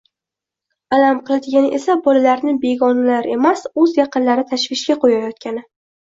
Alam qiladigani esa bolalarni begonalar emas, oʻz yaqinlari tashvishga qoʻyayotgani